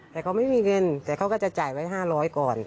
แต่เขาไม่มีเงินแต่เขาก็จะจ่ายไว้๕๐๐ก่อน